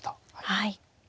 はい。